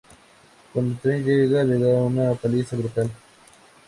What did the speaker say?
Cuando Trent llega, le da una paliza brutal.